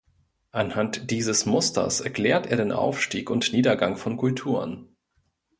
Anhand dieses Musters erklärt er den Aufstieg und Niedergang von Kulturen.